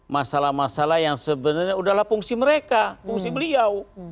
masalah masalah yang sebenarnya udahlah fungsi mereka fungsi beliau